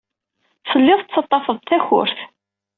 Tellid tettaḍḍafed-d takurt.